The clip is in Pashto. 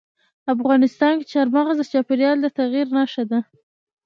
افغانستان کې چار مغز د چاپېریال د تغیر نښه ده.